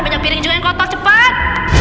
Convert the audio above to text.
banyak piring juga yang kotor cepat